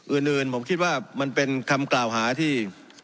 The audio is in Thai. อื่นผมคิดว่ามันเป็นคำกล่าวหาที่